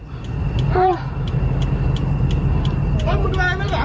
เฮ้ยทำไมทำแบบนี้นะ